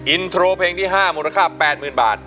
อินโทรเพลงที่๕มูลค่า๘๐๐๐บาท